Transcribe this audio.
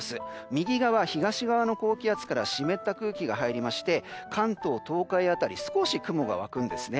右側、東側の高気圧から湿った空気が入りまして関東、東海辺り少し雲が湧くんですね。